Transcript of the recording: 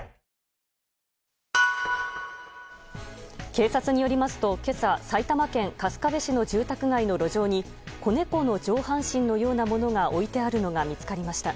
警察によりますと今朝、埼玉県春日部市の住宅街の路上に子猫の上半身のようなものが置いてあるのが見つかりました。